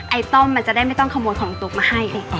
ต้อมมันจะได้ไม่ต้องขโมยของตุ๊กมาให้